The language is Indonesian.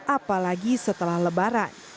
apalagi setelah lebaran